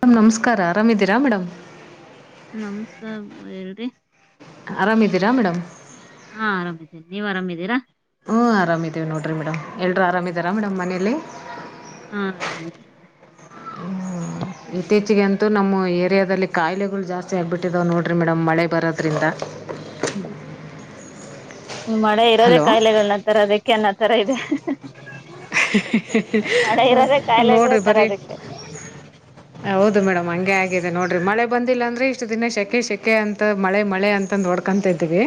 Madam ನಮಸ್ಕಾರ ಆರಾಮಿದ್ದೀರಾ madam ನಮಸ್ಕಾರ ಮಾ ಹೇಳ್ರಿ ಆರಾಮಿದಿರಾ ಮೇಡಮ್ ಹಾ ಆರಾಮಿದ್ದೀನ್ ನೀವ್ ಆರಾಮಿದ್ದೀರಾ. ಹೂ ಆರಾಮಿದ್ದಿವ್ ನೋಡ್ರಿ ಮೇಡಮ್ ಎಲ್ರೂ ಆರಾಮಿದಾರಾ ಮೇಡಮ್ ಮನೇಲಿ ಹಾ ಆರಾಮಾಗಿದ್ದಾರೆ. ಇತ್ತೀಚಗಂತೂ ನಮ್ಮ ಏರಿಯಾದಲ್ಲಿ ಕಾಯಿಲೆಗಳು ಜಾಸ್ತಿ ಆಗ್ಬಿಟ್ಟಿದ್ದಾವ್ ನೋಡ್ರಿ ಮೇಡಮ್ ಮಳೆ ಬರೋದ್ರಿಂದ ಹ್ಮ್ ಮಳೆ ಇರೋದೆ ಹಲೋ ಕಾಯಿಲೆಗಳನ್ನ ತರೋದಕ್ಕೆ ಅನ್ನದ್ ತರ ಇದೆ ಮಳೆ ಇರೋದೇ ಕಾಯಿಲೆಗಳೇ ನೋಡ್ರಿ ಬರಿ ತರೋದಕ್ಕೆ ಹೌದು ಮೇಡಮ್ ಹಂಗೆ ಆಗ್ಯದ್ ಅದೇ ನೋಡ್ರಿ ಮಳೆ ಬಂದಿಲ್ಲ ಅಂದ್ರೆ ಇಷ್ಟು ದಿನ ಶೆಕೆ ಶೆಕೆ ಅಂತ ಮಳೆ ಮಳೆ ಅಂತಂದು ಹೊಡ್ಕೊಂತಿದ್ವಿ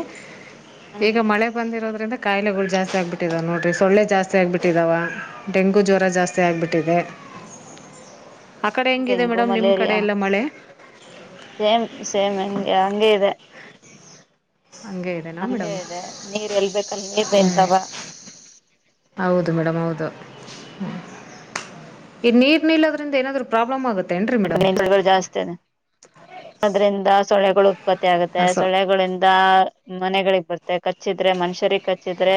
ಈಗ ಹ್ಮ್ ಮಳೆ ಬಂದಿರೋದ್ರಿಂದ ಕಾಯಿಲೆಗಳು ಜಾಸ್ತಿ ಆಗ್ಬಿಟ್ಟಿದಾವ್ ನೋಡ್ರಿ ಸೊಳ್ಳೆ ಜಾಸ್ತಿ ಆಗ್ಬಿಟ್ಟಿದಾವ ಡೆಂಗು ಜ್ವರ ಜಾಸ್ತಿ ಆಗ್ಬಿಟ್ಟಿದೆ. ಆ ಕಡೆ ಹೆಂಗಿದೆ ಡೆಂಗು ಮೇಡಮ್ ನಿಮ್ ಕಡೆ ಮಲೇರಿಯಾ ಎಲ್ಲ ಮಳೆ ಸೇಮ್ ಸೇಮ್ ಹಂಗೆ ಹಂಗಗೆ ಇದೆ ಹಂಗಗೆ ಇದೆನಾ ಹಂಗೆ ಮೇಡಮ್ ಇದೆ ನೀರ್ ಎಲ್ಬೇಕಲ್ ನೀರ್ ಹ್ಮ ನಿಂತಾವ ಹೌದು ಮೇಡಮ್ ಹೌದು ಹ್ಮ ಈ ನೀರ್ ನಿಲ್ಲದ್ರಿಂದ ಏನಾದ್ರು ಪ್ರಾಬ್ಲಮ್ ಆಗುತ್ತೆ ಬಬ ಜಾಸ್ತ ಅದ್ರಿಂದ ಸೊಳೆಗಳು ಉತ್ಪತ್ತಿ ಆಗುತ್ತೆ ಹಸು ಸಳೆಗಳಿಂದ ಮನೆಗಳಿಗೆ ಬರ್ತ್ತೆ ಕಚ್ಚಿದ್ರೆ ಮನುಷ್ಯರಿಗೆಗ್ ಕಚ್ಚಿದ್ರೆ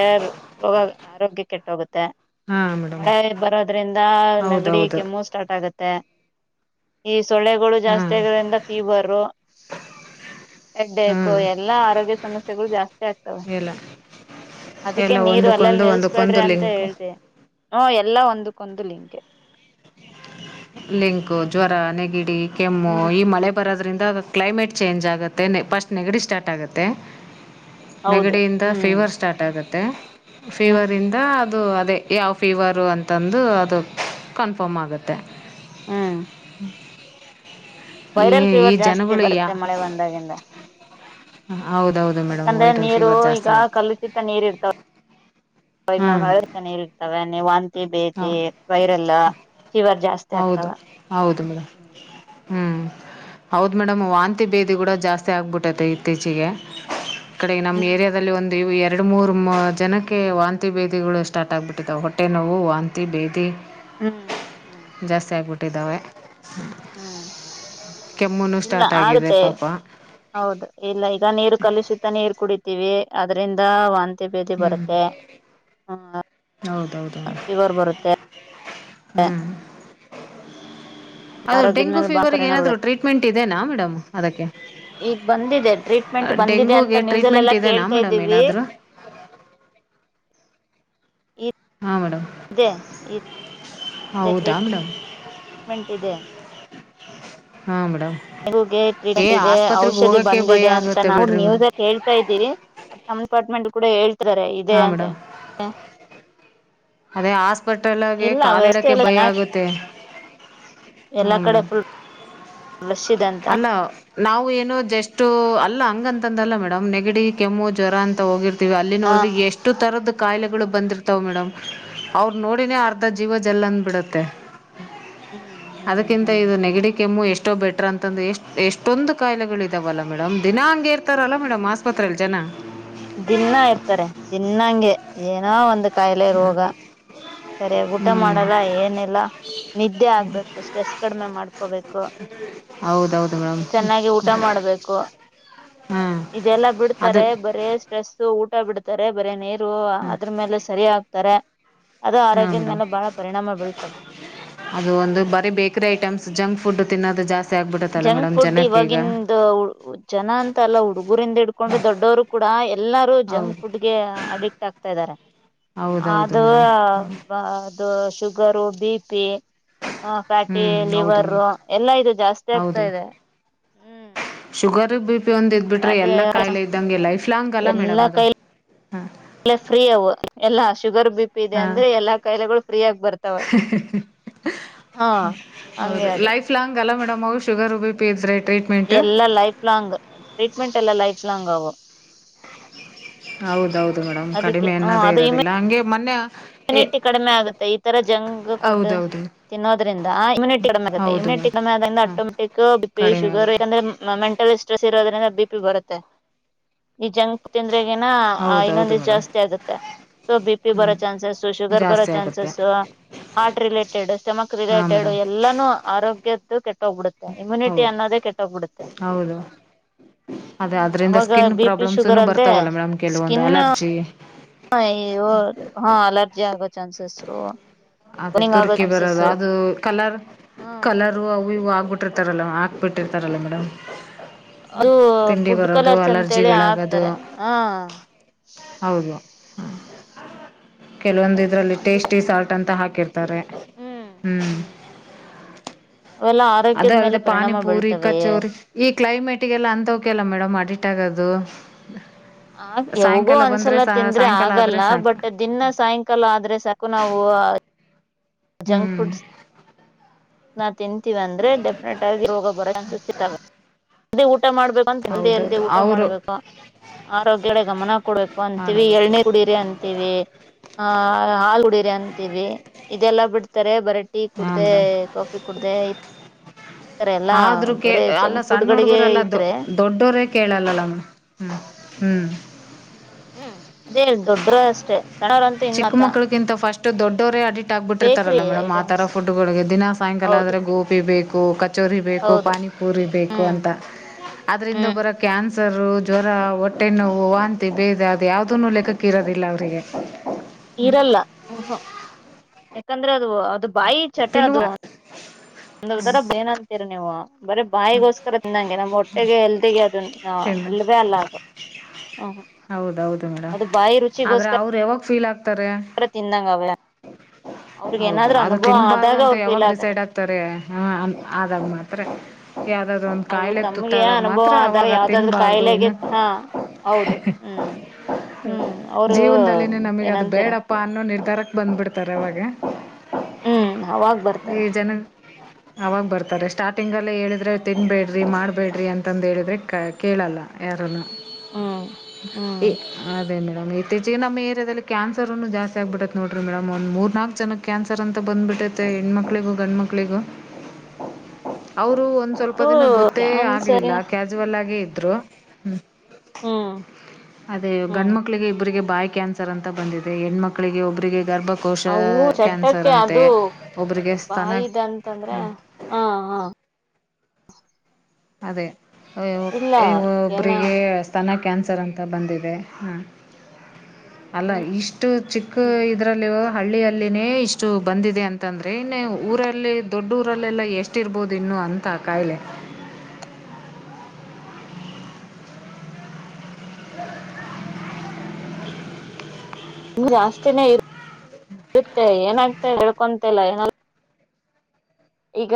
ರೋಗ ಆರೋಗ್ಯ ಕೆಟ್ಟ ಹೋಗುತ್ತೆ ಹಾಂ ಮೇಡಮ್ ಮಳೆ ಬರೋದ್ರಿಂದ ನಗಡಿ ಹೌದೌದು ಕೆಮ್ಮು ಸ್ಟಾರ್ಟ್ ಆಗತ್ತೆ ಮತ್ತೆ ಎ ಸೊಳ್ಳೆಗಳು ಜಾಸ್ತಿ ಹಾಂ ಆಗೋದ್ರಿಂದ ಫೀವರು ಹೆಡೆಕ್ಕು ಹಾಂ ಎಲ್ಲಾ ಆರೋಗ್ಯ ಸಮಸ್ಯೆಗಳು ಜಾಸ್ತಿ ಆಗ್ತವೆ ಎಲ್ಲ ಅದಕ್ಕೆ ಎಲ್ಲ ನೀರು ಅಲ್ಲಲ್ಲಿ ಒಂದಕ್ಕೊಂದು ಒಂದಕ್ಕೊಂದು ನಿಲ್ಲಸ್ಬೇಡ್ರಿ ಅಂತ ಲಿಂಕು ಹೇಳ್ತಿವಿ ಹ್ಮ ಎಲ್ಲಾ ಒಂದಕ್ಕೊಂದು ಲಿಂಕ್ ಲಿಂಕು ಜ್ವರ ನೆಗಿಡಿ ಕೆಮ್ಮು ಈ ಹ್ಮ್ ಮಳೆ ಬರೋದ್ರಿಂದ ಅಗ ಕ್ಲೈಮೇಟ್ ಚೇಂಜ್ ಆಗುತ್ತೆೆ ಫಸ್ಟ್ ನೆಗಡಿ ಸ್ಟಾರ್ಟ್ ಆಗುತ್ತೆ ಹೌದು ನೆಗಡೆಯಿಂದ ಹ್ಮ್ ಫೀವರ್ ಸ್ಟಾರ್ಟ್ ಆಗುತ್ತೆ ತ್ತ ಫೀವರ್ ಹ್ಮ್ ಇಂದ ಅದು ಅದೇ ಯಾವ್ ಫೀವರು ಅಂತಂದು ಅದು ಕನ್ಫರ್ಮ್ ಆಗುತ್ತೆ ಹ್ಮ್ ಅ ವೈರಲ್ ಫೀವರ್ ಜಾಸ್ತಿ ಬರುತ್ತೆ ಮಳೆ ಬಂದಾಗೆಲ್ಲಾ ಹೌದೌದು ಮೇಡಮ್ ಯಾಕಂದ್ರೆ ವೈರಲ್ ನೀರು ಫೀವರ್ ಈಗ ಜಾಸ್ತಿ ಆಯ್ತು ಕಲ್ಲುಸಿತ ನೀರ್ ಇರ್ತಾವ ಅವಾಗ ನಾ್ ಹ್ಮ್ ನಳೆತಾನೆ ಇರ್ತವೆ ಧಯವ ಹ ಬೇತಿ ವೈರಲ್ ಫೀವರ್ ಜಾಸ್ತಿ ಹೌದು ಆಗ್ತಾವ ಹೌದು ಮೇಡಮ್ ಹ್ಮ ಹ್ಮ್ ಹೌದು ಮೇಡಮ್ ವಾಂತಿ ಬೇದಿ ಕೂಡ ಜಾಸ್ತಿ ಆಗ್ಬಿಟ್ಟೈತೆ ಇತ್ತೀಚಿಗೆ ಈ ಕಡೆ ನಮ್ಮ ಹ್ಮ್ ಏರಿಯಾದಲ್ಲಿ ಒಂದು ಇವು ಎರಡು ಮೂರು ಜನಕ್ಕೆ ವಾಂತಿ ಬೇದಿಗಳು ಸ್ಟಾರ್ಟ್ ಆಗ್ಬಿಟ್ಟಿದಾವ ಹೊಟ್ಟೆ ನೋವು ವಾಂತಿ ಬೇದೆ ಹ್ಮ್ ಹ್ಮ್ ಜಾಸ್ತಿ ಆಗ್ಬಿಟ್ಟ ಕಟ್ಟಿದಾವ ಹ್ಮ್ ಇಲ್ಲ ಸ್ಟಾರ್ಟ್ ಆಗಿದೆ ಆಗತ್ತೆ ಪಾಪ ಹೌದು ಇಲ್ಲ ಈಗ ನೀರು ಕಲಷಿತ ನೀರ್ ಕುಡ ಅದ್ರಂದ ಒಂದ ಅತ್ಯ ಬೇದಿ ಹ್ಮ್ ಬರುತ್ತೆ ಹೌದೌದು ಫೀವರ್ ಬರುತ್ತೆ ಹ್ಮ್ ಅದು ಆರೋಗ್ಯದ ಡೆಂಗು ಮೇಲೆ ಬಾ ಫೀವರ್ಗೆ ಪರಿಣಾಮ ಏನಾದ್ರೂ ಬೀಳುತ್ತೆ ಟ್ರೀಟ್ಮೆಂಟ್ ಇದೆನಾ ಮೇಡಮ್ ಅದಕ್ಕೆ ಈಗ ಬಂದಿದೆ ಟ್ರೀಟ್ಮೆಂಟ್ ಬಂದಿದೆ ಅಂತ ಡೆಂಗೂಗೆ ಟ್ರೀಟ್ಮೆಂಟ್ ನ್ಯೂಸಲ್ಲೆಲ್ಲಾ ಇದೆನಾ ಕೇಳ್ತಾ ಮೇಡಮ್ ಇದ್ದೀವಿ ಏನಾದರು ಹಾಂ ಮೇಡಮ್ ಇದೇ ಹೌದಾ ಮೇಡಮ್ ಟ್ರೀಟ್ಮೆಂಟ್ ಇದೆ ಹಾ ಡೆಂಗೂಗೆ ಟ್ರೀಟ್ಮೆಂಟ್ ಇದೆ ಔಷಧಿ ಹೋಗೋಕ್ಕೆ ಭಯ ಬಂದಿದೆ ಅಂತ ಆಗುತ್ತೆ ನಾವು ಬಿಡಿರಿ ನ್ಯೂಸ್ ಮೇಡಮ್ ಕೇಳ್ತಾ ಇದ್ದೀವಿ ನಮ್ಮ ಡಿಪಾರ್ಟ್ಮೆಂಟ್ ಕೂಡ ಹೇಳ್ ಹಾ ಮೇಡಮ್ ಅದೇ ಹಾಸ್ಪಿಟಲ್ಗೆ ಇಲ್ಲ ವ್ಯವಸ್ಥೆ ಕಾಲಿಡಕ್ಕೆ ಎಲ್ಲ ಭಯ ಚೆನ್ನಾಗಿ ಆಗುತ್ತೆ. ಎಲ್ಲಾ ಹಾಂ ಕಡೆ ಮೇಡಮ್ ಫುಲ್ ಇದೆ ಅಂತ ಅಲ್ಲ ನಾವು ಏನು ಜಸ್ಟ್ ಅಲ್ಲ ಹಂಗಂತಂದಲ್ಲ ಮೇಡಮ್ ನೆಗಡಿ ಕೆಮ್ಮು ಜ್ವರ ಅಂತ ಹೋಗಿರ್ ತಿವಿ ಅಲ್ಲಿ ಹಾ ನೋಡ್ರೆ ಎಷ್ಟು ತರದ ಕಾಯಿಲೆಗಳು ಬಂದಿರ್ತಾವ ಮೇಡಮ್ ಅವ್ರರು ನೋಡಿನೇ ಹ್ಮ್ ಅರ್ಧ ಜೀವ ಜ ಜೆಲ್ಲಂದ್ ಬಿಡತ್ತೆ ಹ್ಮ್ ಹ್ಮ್ ಅದಕ್ಕಿಂತ ಹ್ಮ್ ಇದು ಹ್ಮ್ ನೆಗಡಿ ಕೆಮ್ಮು ಎಷ್ಟೋ ಬೆಟ್ಟ ರ ಎಷ್ಟ್ ಎಷ್ಟೊಂದು ಕಾಯಿಲೆಗಳ ಇದಾವಲ್ಲ ಮೇಡಮ್ ದಿನಾ ಹಂಗೆ ಇರ್ತಾರಲ್ಲ ಮೇಡಮ್ ಆಸ್ಪತ್ರರೆೆಯಲ್ಲಿ ಜನ ಏನಾ ಒಂದ ಕಾಯಿಲೆ ರೋಗ ಸರಿಯಾಗಿ ಊಟ ಹ್ಞೂ ಮಾಡಲ್ಲ ಏನಿಲ್ಲ ನಿದ್ದೆ ಆಗ್ಬೇಕು ಸ್ಟ್ರೆಸ್ ಕಡಿಮೆ ಮಾಡ್ಕೋಬೇಕು ಹೌದೌದು ಮೇಡಮ್ ಚೆನ್ನಾಗಿ ಊಟ ಮಾಡ್ಬೇಕು ಹಾಂ ಇದೆಲ್ಲಾ ಅದು ಬಿಡ್ತಾರೆ. ಸ್ಟ್ರೆಸ್ ಊಟ ಬಿಡ್ತಾರೆ ಬರೇ ನೀರ್ ದು ಅದ್ರ ಮೇಲೆ ಸರಿ ಆಗ್ತಾರೆ ಅದು ಹಾ ಆರೋಗ್ಯದ ಮೇಡಮ್ ಮೇಲೆ ಬಹಳ ಪರಿಣಾಮ ಬೀಳ್ತವೆ ಅದು ಒಂದು ಬರ ಬೇಕರಿ ಐಟಮ್ಸ್ ಜಂಕ್ ಫುಡ್ ತಿನ್ನೋದು ಜಾಸ್ತಿ ಆಗ್ಬಿಡುತ್ತಲ್ಲ ಜಂಕ್ ಮೇಡಮ್ ಫುಡ್ ಜನಕ್ಕೆ ಈಗ ಇವಾಗಿಂದು ಜನ ಅಂತ ಅಲ್ಲಾ ಹುಡುಗ ರಿಂದ ಇಡ್ಕೊಂಡು ದೊಡ್ಡವರು ಕೂಡ ಎಲ್ಲರೂ ಜಂಕ್ ಹೌದು ಫುಡ್ಗೆ ಅಡಿಕ್ಟ್ ಆಗ್ತಾ ಇದಾರೆ ಹೌದೌದು ಅದು ಮೇಡಮ್ ಇದು ಶುಗರು ಬಿ ಪಿ ಹ ಹ್ಞೂ ಫ್ಯಾಟಿ ಹೌದು ಲಿವರ್ ಎಲ್ಲಾ ಇದು ಜಾಸ್ತಿ ಆಗ್ತ ಆಗ್ತಾ ಇದೆ ಹ್ಮ್ ಶುಗರ್ ಬಿ ಪಿ ಒಂದ ಇದ್ ಬಿಟ್ರೆ ಫ್ಯಾಟಿ ಎಲ್ಲ ಕಾಯಲೆ ಇದಂಗೆ ಲೈಫ್ ಫ್ಲಾಂಗ್ ಅಲ್ಲ ಮೇಡಮ್ ಅದು ಹಾಂ ಅಲ್ಲ ಫ್ರೀ ಅವು ಎಲ್ಲಾ ಅಷ್ಟ ಶುಗರ್ ಬಿ ಪಿ ಇದೆ ಹಾಂ ಅಂದ್ರೆ ಎಲ್ಲಾ ಕಾಯಿಲೆಗಳು ಫ್ರೀಯಗ ಬರ್ತಾವ ಹಾ ಹಂಗೆ ಅದು ಮವ್ ಶುಗರ್ ಬಿಪಿ ಇದ್ರೆ ಟ್ರೀಟ್ಮೆಂಟ್ ಎಲ್ಲಾ ಲೈಫ್ ಲಾಂಗ್ ಟ್ರೀಟ್ ಟ್ರೀಟ್ಮೆಂಟ್ ಎಲ್ಲ ಲೈಫ್ ಲಾಂಗ್ ಆ ಹೌದೌದು ಮೇಡಮ್ ಕಡಿಮೆ ಅನ್ನದೇ ಅದು ಇಮ್ಯೂ ಇರೋದಿಲ್ಲ ಹಂಗೆ ಮೊನ್ನೇ ಇಮ್ಯುನಿಟಿ ಕಡಿಮೆ ಆಗುತ್ತೆ ಈ ತರ ಜಂಕ್ ಫುಡ್ ಹೌದೌದು ತಿನ್ನೋದ್ರಿಂದ ಇಮ್ಯುನಟಿ ಕಡಿಮೆ ಆಗುತ್ತೆ ಹೌದು ಇಮ್ಯುನಿಟಿ ಮೇಡಮ್ ಕಡಿಮೆ ಆಗೋದ್ರಿಂದ ಹಾಂ ಆಟೋಮೆಟಿಕ್ ಬಿಪಿ ಕಡಿಮೆ ಶುಗರ್ ಆಗೋದು ಯಾಕಂದ್ರೆ ನಾವ್ ಮೆಂಟಲ್ ಸ್ಟ್ರೆಸ್ ಇರೋದ್ರಿಂದ ಬಿಪಿ ಬರುತ್ತೆ ಈ ಜಂಕ್ ತಿಂದ್ರೆ ಇನ್ನೊಂದ ಆ ಹೌದೌದು ಇನ್ನೊಂದ ಮೇಡಮ್ ಜಾಸ್ತಿ ಆಗುತ್ತೆ ಸೊ ಬಿ ಪಿ ಹ್ಞೂ ಬರುತ್ತೆ ಚಾನ್ಸಸ್ ಶುಗರ್ ಬರೋ ಜಾಸ್ತಿ ಆಗುತ್ತೆ ಚಾನ್ಸಸ್ ಹಾರ್ಟ್ ರಿಲೇಟೆಡ್ ಸ್ಟೆಮಕ್ ಹಾಂ ರಿಲೇಟೆಡ್ ಮೇಡಮ್ ಎಲ್ಲಾನೂ ಆರೋಗ್ಯ ತೂಕತ್ ಕೆಟ್ಟೋಗ್ಬಿಡುತ್ತೆ ಇಮ್ಯುನಿಟಿ ಹೌದು ಅನ್ನೋದೇ ಕೆಟ್ಟೋಗ್ಬಿಡುತ್ತೆ ಹೌದು ಅದೇ ಹ್ಮ್ ಅದರಿಂದ ಅವಾಗ ಸ್ಕಿನ್ ಬಿ ಪಿ ಶುಗರ್ ಪ್ರಾಬ್ಲಮ್ಸೂ ಅಲ್ದೆ ಬರ್ತಾವಲ್ಲ ಮೇಡಮ್ ಕೆಲವೊಂದು ಸ್ಕಿನ್ ಅಲರ್ಜಿ ಹ ಹದು ಹಾ ಅಲರ್ಜಿ ಆಗೋ ಚಾನ್ಸಸ್ ಅದೇ ಬರ್ನಿಂಗ್ ಆಗೋ ತುರ್ಕಿ ಬರದು ಚಾನ್ಸಸ್ ಅದು ಕಲರ್ ಕಲರು ಅವು ಇವು ಹೋಗಬಿಟ್ಟಿರ್ತಾರಲ್ಲ ಹಾಕ್ಬಿಟ್ಟಿರ್ತಾರಲ್ಲ ಮೇಡಮ್ ಅದು ತಿಂಡಿ ಫುಡ್ ಬರೋದು ಕಲರ್ಸ್ ಅಂತೇಳಿ ಅಲರ್ಜಿಗಳಾಗೋದು ಹಾಕ್ತಾರೆ ಹಾ ಕೆಲವೊಂದ ಇದ್ರಲ್ಲಿ ಟೇಸ್ಟಿ ಸಾ ಹಾಕಿರ್ ತಾರೆ ಹ್ಮ್ ಅವೆಲ್ಲ ಅದ ಆರೋಗ್ಯದ ಮೇಲೆ ಅಲ್ಲದೆ ಪರಿಣಾಮ ಪಾನಿಪೂರಿ ಬೀಳ್ತವೆ ಕಚೋರಿ ಈ ಕ್ಲೈಮೇಟ್ಗೆಲ್ಲ ಅಂತವಕೆಲ್ಲ ಮೇಡಮ್ ಅಡಿಟ್ ಆಗದು ಹ್ಮ ಆ ಯಾವಗೋ ಒಂದ್ಸಲ ತಿಂದ್ರೆ ಸಾಯಂಕಾಲ ಆದ್ರೆ ಆಗಲ್ಲ ಸಾಕು ಬಟ್ ದಿನ ಸಾಯಂಕಾಲ ಆದ್ರೆ ಸಾಕು ನಾವು ಹ್ಮ್ ಜಂಕ್ಫುಡ್ಸ್ ನಾ ತಿನ್ ತಿಂತೀವ್ ಅಂದ್ರೆ ಡೆಫಿನೆಟ್ ಆಗಿ ರೋಗ ಬರೋ ಚಾನ್ಸಸ್ ಸಿಕ್ತವೇ ಅದೇ ಊ ಊಟ ಮಾಡ್ಬೇಕದಿ ಎಲ್ದಿ ಹೌದೌದು ಊಟ ಅವರು ಮಾಡ್ಬೇಕು ಆರೋಗ್ಯಡೆ ಗಮನ ಕೊಡಬೇಕು ಅಂತೀವಿ ಮಾಡಬೇಕು ಎಳನಿ ಕುಡೀರಿ ಅಂತೀವಿ ಆ ಹಾಲು ಹುಡೀರಿ ಅಂತ ಇವೆ ಇದೆಲ್ಲ ಬಿಡ್ತಾರೆ ಬರ ಟೀ ಹಾ ಕುಡ್ದ ಮೇಡಮ್ ಕಾಫಿ ಕುಡ್ದ ಆದ್ರೂ ಕ ಅಲ್ಲ ಸಣ್ಣ ಗಳಿಗೆ ಹುಡುಗರೆಲ್ಲ ದೊ ಇದ್ರೆ ದೊಡ್ಡವರೇ ಕೇಳಲ್ಲಲ್ಲ ಮೇಡಮ್ ಹ್ಮ್ ಹ್ಮ್ ಹ್ಮ್ ಅದೇ ದೊಡ್ಡರು ಅಷ್ಟೇ ಸಣ್ಣವರಂತೂ ಚಿಕ್ಕ ಇನ್ನತ ಮಕ್ಳಗಿಂತ ಫಸ್ಟ್ ದೊಡ್ಡವರೇ ಅಡಿಟ್ ಬೇಕ್ರಿ ಆಗ್ಬಿಟ್ಟಿರ್ತಾರಲ್ಲ ಮೇಡಮ್ ಆತರ ಐಟಮ್ಸ್ ಫುಡ್ಗಳಿಗೆ ದಿನ ಸಾಯಂಕಾಲ ಹೌದು ಆದ್ರೆ ಗೋಬೀ ಬೇಕ್ [inaudible] ಚೂರಿ ಬೇಕು ಹೌದು ಪಾನಿಪುರಿ ಬೇಕು ಹ್ಮ್ ಅಂತ ಅದ್ರಿಂದ ಹ್ಮ್ ಬರೋ ಕ್ಯಾನ್ಸ ಲ್ಸರು ಜ್ವರ ಹೊಟ್ಟೆ ನೋವು ವಾಂತಿ ಬೇದಿ ಅದ್ ಯಾವುದುನು ಲೆಖಕ್ಕೆ ಇರೋದಿಲ್ಲ ಅವರಿಗೆ ಇರಲ್ಲ ಹುಹು ಯಾಕಂದ್ರೆ ಅದು ಅದು ಬಾಯಿ ಚಟ ತಿನ್ನುವ ಅದು ಅದೊಂತರ ಏ ನ್ಂತೀರಿ ನೀವು ಬರೀ ಬಾಯಿಗೋಸ್ಕರ ತಿಂದಂಗೆ ನಮ್ ಹೊಟ್ಟೆಗೆ ಎಲ್ದಿಗೆ ಅದು ತಿನ್ನು ಅಲ್ವೇ ಅಲ್ಲ ಅದು ಹು ಹು ಹೌದೌದು ಮೇಡಮ್ ಆದ್ರೆ ಅವರು ಯಾವಾಗ ಫೀಲ್ ಆಗ್ತ ತರ ತಿಂದಾಂಗ ಅಗತ ಹೌದು ಅದು ತಿನ್ಬಾರ್ದು ಆದಾಗ ಅಂತ ಅವ್ರು ಯಾವಾಗ ಫೀಲ್ ಡಿಸೈಡ್ ಆಗ್ತಾರೆ ಹ ಅ ಆದಾಗ ಮಾತ್ರ ಯಾವುದಾದ್ರು ಒಂದು ಅದು ಕಾಯಿಲೆಗೆ ತಮ್ಗೆ ತುತ್ತಾದಾಗ ಅನುಭವ ಮಾತ್ರ ಆದಾ ಅವಾಗ ಯಾವದಾದ್ರು ತಿನ್ನಬಾರ್ದು ಕಾಯಿಲೆಗೆ ಇನ್ನು ಹಾ ಹೌದು ಹ್ಮ್ ಹ ಹ್ಮ್ ಅವರು ಜೀವನದಲ್ಲಿನೆ ನಮಗೆ ಅದು ಏನಂತೀರ ಬೇಡಪ್ಪಾ ಅನ್ನೋ ನಿರ್ಧಾರಕ್ ಬಂದ್ಬಿಡ್ತಾರೆ ಅವಾಗ ಹ್ಮ್ ಅವಾಗ್ ಈ ಬರ್ತಾರೆ ಜನ ಅವಾಗ ಬರ್ತಾರೆ ಸ್ಟಾರ್ಟಿಂಗಲ್ಲೇ ಹೇಳಿದರೆ ತಿನ್ನಬೇಡ್ರಿ ಮಾಡಬೇಡ್ರಿ ಅಂತಂದ್ರೆ ಹೇಳಿದ್ರೆ ಕ ಕೇಳಲ್ಲ ಯಾರನ್ನು ಹ್ಮ್ ಹ್ಮ್ ಈ ಅದೇ ಮೇಡಮ್ ಇತ್ತೀಚಿಗೆ ನಮ್ಮ ಏರಿಯಾದಲ್ಲಿ ಕ್ಯಾನ್ಸರ್ನು ಜಾಸ್ತಿ ಆಗಿಬಿಟ್ಟಿತೆ ನೋಡ್ರಿ ಮೇಡಮ್ ಒಂದ್ ಮೂರ್ನಾಲ್ಕು ಜನಕ್ಕೆ ಕ್ಯಾನ್ಸರ್ ಅಂತ ಬಂದ್ಬಿಟ್ಟತೆ ಹೆಣ್ಮಕ್ಳಿಗೂ ಗಂಡ ಮಕ್ಳಿಗೂ ಅವರು ಒಂದು ಸ್ವಲ್ಪ ಅದು ದಿನ ಗೊತ್ತೇ ಕ್ಯಾನ್ಸರ್ ಆಗಲಿಲ್ಲ ಕ್ಯಾಜುವಲ್ ಆಗೇ ಇ ದ್ರು ಹ ಹ್ಮ ಹ್ಮ್ ಹ್ಮ್ ಗಂಡ ಮಕ್ಳಿಗೆ ಇಬ್ ರಿಗೆ ಬಾಯ್ ಕ್ಯಾನ್ಸರ್ ಅಂತ ಬಂದಿದೆ ಹೆಣ್ಮಕ್ಳಿಗೆ ಒಬ್ಬರಿಗೆ ಗರ್ಭಕೋಶ ಅವು ಕ್ಯಾನ್ಸರ್ ಚಟ್ಟಕ್ಕೆ ಅಂತೆ ಅದು ಒಬ್ಬರಿಗೆ ಸ್ತನ ಬಾಯಿದ ಅಂತಂದ್ರೆ ಹಾ ಹ ಅದೇ ಇಲ್ಲ ಅಯ್ಯೋ ಈಗೇನ ಒಬ್ರಿಗೆ ಸ್ಥಾನಕ್ಕೆ ಕ್ಯಾನ್ಸರ್ ಅಂತ ಬಂದಿದೆ ಹಾಂ ಅಲ್ಲ ಹ್ಮ್ ಇಷ್ಟು ಚಿಕ್ಕ ಇದ್ರಲ್ಲಿವು ಹಳ್ಳಿಯಲ್ಲಿ ಲ್ಲಿನೆ ಇಷ್ಟು ಬಂದಿದೆ ಅಂತಂದ್ರೆ ಇನ್ನ ಊರಲ್ಲಿ ದೊಡ್ಡ ಊರಲ್ಲೆಲ್ಲ ಎಷ್ಟಿರ್ಬೋದು ಇನ್ನು ಅಂತ ಕಾಯಿಲೆ ಉ ನಿಮ ಜಾಸ್ತಿನೇ ಇ ಇರುತ್ತೆ ಏನಾಗ್ತ ಹೇಳ್ಕೊಂತಲ್ಲ ಏನ ಈಗ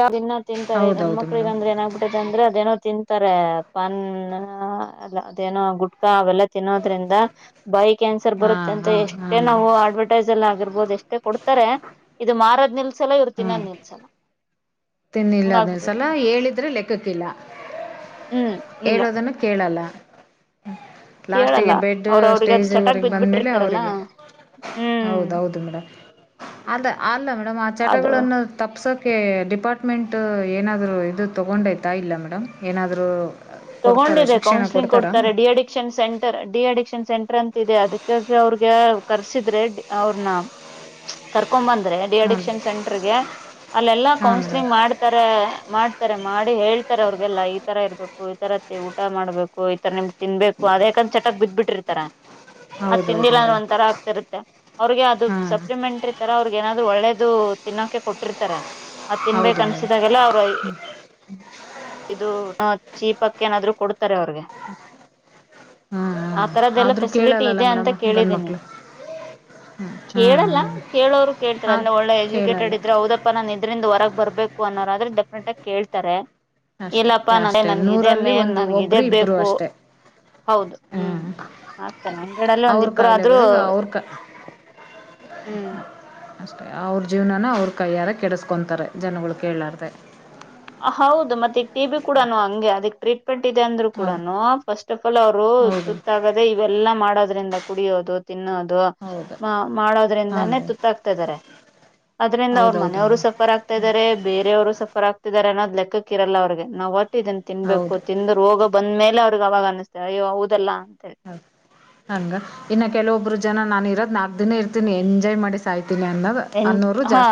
ತಿಂತಾರೆ ಹೌದೌದು ಗಂಡ್ಮಕ್ಳಿಗೆ ಮೇಡಮ್ ಅಂದ್ರೆ ಏನಾಗಗ್ಬಿಟ್ಟತೆ ಅಂದ್ರೆ ಅದೇನೋ ತಿಂತ ಇತಾರೆ ಪಾನ್ ಎಲ್ಲ ಅದೇನೋ ಗುಟ್ಕಾ ಅವೆಲ್ಲ ತಿನ್ನೋದ್ರಿಂದ ಬಾಯ್ ಕ್ಯಾನ್ಸರ್ ಬರುತ್ತೆ ಹಾಂ ಅಂತ ಹಾಂ ಹಾಂ ಎಷ್ಟೇ ನಾವು ಮೇಡಮ್ ಅಡ್ವರ್ಟೈಸ್ ಅಲ್ಲಿ ಆಗಿರ್ಬ ಬಹುದ್ ಎಷ್ಟೇ ಕೊಡ್ತಾರೆ ಇದು ಮಾರದ್ ನಿಲ್ ಚಲೋ ಇವರ ಹಾಂ ತಿನ್ನೋದ ನಿಲ್ಲಸಲ್ಲಾ ತಿನ್ನಿಲ್ಲ ಅದೊಸಲ ಹೇಳಿದ್ರೆ ಲೆಕ್ಕಕ್ಕಿಲ್ಲ ಹ್ಮ್ ಇಲ್ಲ ಹೇಳೋದನ್ನು ಕೇಳಲ್ಲ ಕೇಳಲ್ಲ ಲಾಸ್ಟಿಗೆ ಬೆಡ್ ಅವ್ರ ಅವ್ರಿಗೆ ಅದು ಸ್ಟೇಜ್ಗೆ ಚಟಾಕ್ ಬಿದ್ ಬಂದ್ಮೇಲೆ ಬಿಟ್ಟಿರ್ತಾರಲ್ಲ ಅವರಿಗೆ ಹ್ಮ್ ಹೌದೌದು ಮೇಡ್ ಅ ಅಲ್ಲ ಮೇಡ್ ಅದು ಚಟಗಳನ್ನು ತಪ್ಸೋಕೆ ಡಿ ಮೆಂಟ್ ಏನಾದರೂ ಇದು ತೊಗೊಂಡಯ್ತಾ ಇಲ್ಲ ಮೇಡಮ್ ಏನಾದರೂ ಕೊಡ್ತಾರಾ ತಗೊಂಡಿದೆ ಶಿಕ್ಷಣ ಕೌನ್ಸಲಿಂಗ್ ಕೊಡ್ತಾರಾ ಕೊಡ್ತಾರೆ de addiction centre de addiction centre ಅಂತ ದೆ ಅದಕ್ಕಾಗಿ ಅವ್ರಿಗೆ ಕರ್ಸಿದ್ರೆ ಅವ್ರನ್ನ ಕರ್ ಕಕೊಂಡ್ ಬಂದ್ರೆ ಡಿ ಹಾಂ ಅಡಿಕ್ಷನ್ ಸೆಂಟರ್ಗೆ ಅಲ್ಲೆಲ್ಲಾ ಹಾಂ ಕೌನ್ಸ್ಲಿಂಗ್ ಮೇಡಮ್ ಮಾಡ್ತಾರೆ ಮಾಡ್ತಾರೆ ಮಾಡಿ ಹೇಳ್ತಾರೆ ಅವ್ರಿಗೆಲ್ಲಾ ಈ ತರ ಇರ್ಬೇಕು ಈ ತರ ಊಟ ಮಾಡಬೇಕು ಈತರ ನಿಮ್ ತಿನ್ಬೇಕು ಅದ ಯಾಕಂದ ಚಟಕ್ ಬಿದ್ಬಿಟ್ಟಿರ್ತಾರ ಅದ್ ಹೌದೌದು ತಿಂದಿಲ್ಲ ಅಂದ ಮೇಡಮ್ ಒಂಂತರ ಆಗ್ತಿರುತ್ತೆ ಅವ್ರಿಗೆ ಅದು ಹಾಂ ಸಪ್ಲಿಮೆಂಟ್ರಿ ತರ ಅವ್ರಿಗೆ ಏನಾದ್ರು ಒಳ್ಳೇದು ತಿನ್ನೋಕೆ ಕೊಟ್ಟಿರ್ತಾರೆ ಅದ ಹೌದು ತಿನ್ಬೇಕೇು ಮೇಡಮ್ ಅನ್ಸಿದಾಗೆಲ್ಲ ಅವ್ರು [inaudible] ಇದು ಚೀಪಕ್ಕ ಏನಾದ್ರು ಕೊ ಹಾಂ ಆ ಹಾಂ ತರ್ದಲ್ಲ ಆದರೂ ಫೆಸಿಲಿಟಿ ಕೇಳಲ್ಲಲ್ಲ ಇದೆ ಅಂತ ಮೇಡಮ್ ಗಂಡು ಕೇಳಿದೀನಿ ಮಕ್ಕಳು ಹ್ಞೂ ಹಾಂ ಕೇಳಲ್ಲ ಹಾಂ ಕೇಳೋರು ಕೇಳ್ತಾರೆ ಹಾಂ ಅಂದ್ರೆ ಒಳ್ಳೆ ಎಜುಕೇಟೆಡ್ ಕೇಳಲ್ಲ ಇದ್ರೆ ಹೌದಪ್ಪಾ ನಾನ ಇದ್ರಿಂದ ಹೊರಗೆ ಬರ್ಬೇಕು ಅನ್ನೋರ್ರೆ ಡೆಫಿನೆಟ್ ಆಗ ಕೇಳ್ತಾರೆ ಅಷ್ಟೆ ಇಲ್ಲಪ್ಪಾ ನ ಅಷ್ಟೇ ನನ್ಗೆ ಇದೇ ನೂರಲ್ಲಿ ಮೇನ್ ಒಂದು ನನ್ಗೆ ಇದೇ ಒಬ್ಬರು ಇಬ್ಬರು ಬೇಕು ಅಷ್ಟೇ ಹೌದು ಹ್ಮ್ ಹಾಂ ಆಗ್ತನೆ ಹಂಡ್ರೆಡ್ ಅಲ್ಲಿ ಒಂದಿಬ್ರು ಆದ್ರೂ ಹ್ಮ್ ಅಷ್ಟೆ ಅವ್ರ ಜೀವನನ ಅವ್ರ ಕೈಯ್ಯಾರ ಕೆಡಿಸ್ಕೊತಾರೆ ಜನಗಳು ಕೇಳಾರ್ದ ಹೌದು ಮತ್ತೆ ಈಗ ಟಿ ಬಿ ಕೂಡಾ ಹಂಗೆ ಅದಕ್ ಟ್ರೀಟ್ ಪಟ್ಟದೆ ಅಂದ್ರು ಕೂಡ ಹೌದು ಫಸ್ಟ್ ಆಫ್ ಆಲ್ ಅವರು ಹೌದು ತುತ್ತಾಗದೆ ಇವೆಲ್ಲಾ ಮಾಡ ೋದ್ರಿಂದ ಕುಡಿಯೋದು ತಿನ್ನೋದು ಹೌದು ಹಾಂ ಮಾಡೋದ್ರಿಂದಾನೇ ಮೇಡಮ್ ತುತ್ತಾಗ್ತಾ ಇದಾರೆ ಅದರಿಂದ ಅವ್ರ ಹೌದೌದು ಮನೆಯವ್ರು ಮೇಡಮ್ ಸಫರ್ ಆಗ್ತಾ ಇದಾರೆ ಬೇರೆಯವರು ಸಫರ್ ಆಗ್ತಾ ಅನ್ನೋ್ ಲೆಕ್ಕ ಇರಲ್ಲ ಅವ್ರ ನಾವುಟ್ಟ ಇದನ್ ತಿನ್ಬೇಕು ಹೌದು ತಿಿಂದ ರೋಗ ಬಂದ್ಮೇಲೆ ಇಲ್ಲ ಅವ್ರಿಗೆ ಅವಾಗ ಅನ್ನಸ್ತವೆ ಅಯ್ಯೋ ಹೌದಲ್ಲಾ ಅಂತೇಳಿ ಹೌ ಹಂಗ ಇನ್ನ ಕೆಲವೊಬ್ರು ಜನ ನಾನ ನನೇ ಇರ್ತೀನ ಎಂಜಾಯ್ ಮಾಡಿ ಸಾಯ್ ಎ ಹಾ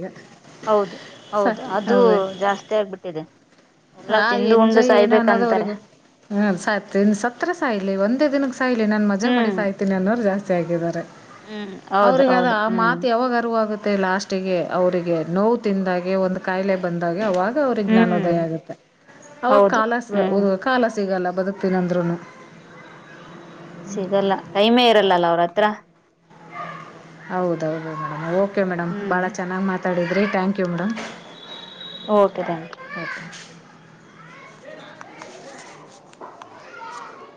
ಈಗ ಹೌದು ಸ ಹೌದು ಅದು ಅವೇ ಜಾಸ್ತಿ ಆಗ್ಬಿಟ್ಟಿದೆ ಎಲ್ಲಾ ಆ ತಿಂದು ಉಂಡು ಎಂಜಾಯ್ ಏನು ಅನ್ನೋದ್ ಸಾಯ್ಬೇಕಂತಾರೆ ಅವ್ರಗೂ ಹ ಸ್ನ್ ಸತ್ರ ಸಾಯ್ಲಿ ಒಂದೇ ದಿನಕ್ಕೆ ಸಾಯ್ಲಿ ನಾನನ್ ಮಜಾ ಮಾಡಿ ಹ್ಮ್ ಸಾಯ್ತೀನಿ ಅನ್ನೋರು ಜಾಸ್ತಿ ಗಿದ್ದಾರೆ ಹ್ಮ್ ಹೌದು ಅವ್ರಿಗೆ ಅದ ಹೌದು ಆ ಹ್ಮ್ ಮಾತು ಯಾವಾಗ ಅರಿವಾಗುತ್ ತ್ತೆ ಲಾಸ್ಟಿಗೆ ಅವರಿಗೆ ನೋವು ತಿಂದಾಗೆ ಒಂದು ಕಾಯಿಲೆ ಬಂದಾಗ ಅವಾಗ್ ಅವ್ರಿಗ್ ಹ್ಮ್ ಜ್ಞಾನೋದಯ ಆಗದು ಅವಗ್ ಹೌದು ಕಾಲ ಹ್ಮ್ ಕಾಲ ಸಿಗಲ್ಲ ಬದುಕ್ತೀನಂದ್ರೂನು ಸಿಗಲ್ಲ ಟೈಮೇ ಇರಲ್ಲಲ್ಲ ಅವ್ರ ಹತ್ರ ಹೌದೌದು ಮೇಡಂ ಅವ್ ಓಕೆ ಮೇಡಂ ಹ್ಮ್ ಭಾಳ ಚೆನ್ನಾಗಿ ಮಾತಾಡಿದ್ರಿ ಥ್ಯಾಂಕ್ಯೂ ಮೇಡಂ ಓಕೆ ಥಾಂಕ್ಯು